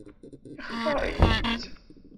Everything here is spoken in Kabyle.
Yextaṛ-itt?